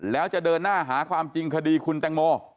แล้วจะเดินหน้าหาความจริงคดีคุณแตงโม